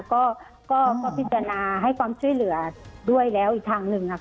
ก็พิจารณาให้ความช่วยเหลืออีกทางด้วยแล้วค่ะ